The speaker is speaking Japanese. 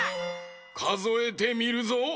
かぞえてみるぞ。